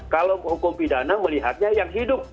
kalau hukum pidana melihatnya yang hidup